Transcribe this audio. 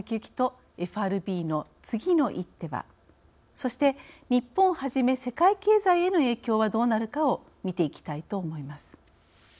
そして日本をはじめ世界経済への影響はどうなるかをみていきたいと思います。